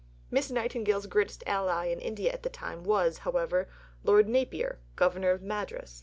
Miss Nightingale's greatest ally in India at this time was, however, Lord Napier, Governor of Madras.